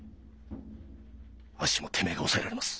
あっしもてめえが抑えられます。